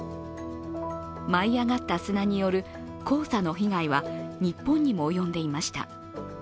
舞い上がった砂による黄砂の被害は日本にも及んでいました。